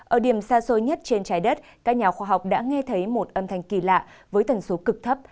ở điểm xa xôi nhất trên trái đất các nhà khoa học đã nghe thấy một âm thanh kỳ lạ với tần số cực thấp